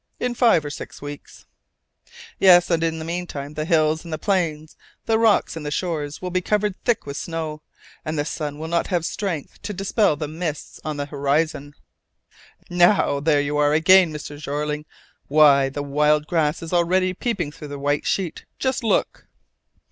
In five or six weeks " "Yes, and in the meantime, the hills and the plains, the rocks and the shores will be covered thick with snow, and the sun will not have strength to dispel the mists on the horizon." "Now, there you are again, Mr. Jeorling! Why, the wild grass is already peeping through the white sheet! Just look!"